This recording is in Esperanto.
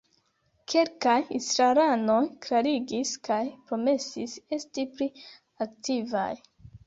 Kelkaj estraranoj klarigis kaj promesis esti pli aktivaj.